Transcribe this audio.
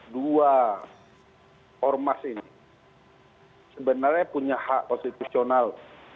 dua ormas ini sebenarnya punya hak konstitusional